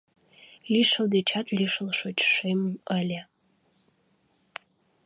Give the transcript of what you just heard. Лишыл дечат лишыл шочшем ыле